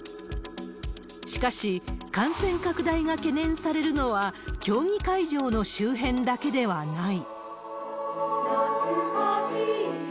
しかし、感染拡大が懸念されるのは競技会場の周辺だけではない。